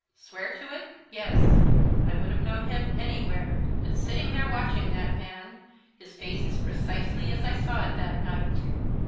"Swear to it? Yes. I would have known him anywhere, but sitting there, watching that man, his face is precisely as I saw it that night.